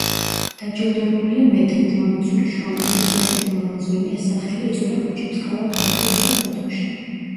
დაჯილდოებულია მედლით „მამაცური შრომისთვის“, ნესტორ მალაზონიას სახელი ეწოდა ქუჩებს ქალაქ ოზურგეთსა და ბათუმში.